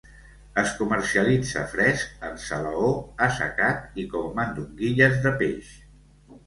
Es comercialitza fresc, en salaó, assecat i com a mandonguilles de peix.